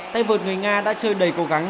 tay vượt người nga đã chơi đầy cố gắng